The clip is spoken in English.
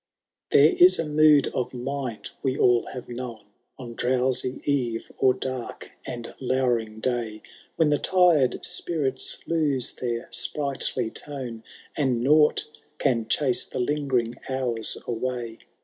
Thbrb is a mood of mind we all have known. On drowsy eve, or dark and lowering daj. When the tired spirits lose their sprightlj tone. And nought can chase the lingering hours away.